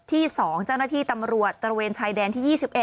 ที่๒เจ้าหน้าที่ตำรวจตระเวนชายแดนที่๒๑